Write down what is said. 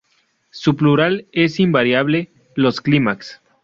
Su plural es invariable: "los clímax".